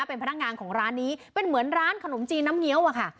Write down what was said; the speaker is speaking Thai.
เป็นพนักงานของร้านนี้เป็นเหมือนร้านขนมจีนน้ำเงี้ยวอะค่ะ